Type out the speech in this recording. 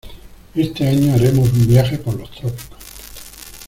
Este año haremos un viaje por los trópicos.